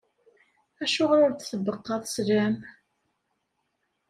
Acuɣer ur d-tbeqqaḍ sslam?